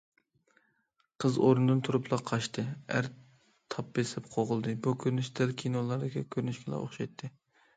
قىز ئورنىدىن تۇرۇپلا قاچتى، ئەر تاپ بېسىپ قوغلىدى، بۇ كۆرۈنۈش دەل كىنولاردىكى كۆرۈنۈشكىلا ئوخشايتتى.